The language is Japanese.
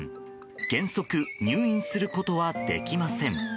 原則入院することはできません。